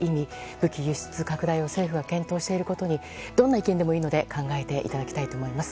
武器輸出拡大を政府が検討していることにどんなことでもいいので考えていただきたいと思います。